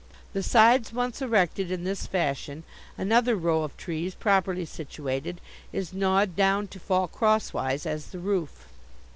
The sides, once erected in this fashion, another row of trees, properly situated, is gnawed down to fall crosswise as the roof.